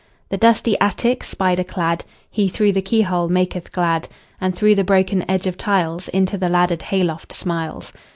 The dusty attic spider cladHe, through the keyhole, maketh glad; And through the broken edge of tiles, Into the laddered hay loft smiles.